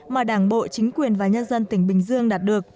mà đảng bộ chính quyền và nhân dân tỉnh bình dương đạt được